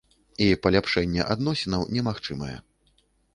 І паляпшэнне адносінаў немагчымае.